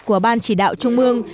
của ban chỉ đạo trung ương